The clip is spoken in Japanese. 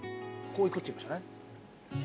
こういくって言いましたね。